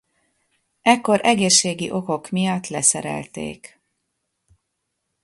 Ekkor egészségi okok miatt leszerelték.